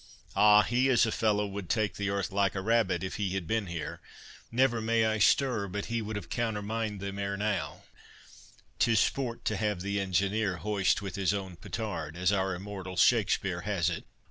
—Ah! he is a fellow would take the earth like a rabbit—if he had been here, never may I stir but he would have countermined them ere now, and —''Tis sport to have the engineer Hoist with his own petard.' as our immortal Shakspeare has it."